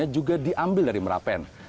juga diambil dari merapen